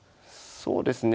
そうですね。